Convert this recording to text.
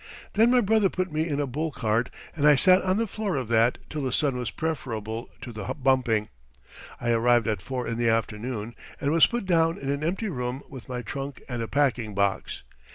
Then my brother put me in a bull cart, and I sat on the floor of that till the sun was preferable to the bumping. I arrived at four in the afternoon and was put down in an empty room with my trunk and a packing box.